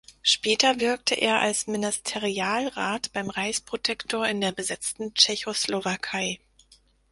Später wirkte er als Ministerialrat beim Reichsprotektor in der besetzten Tschechoslowakei.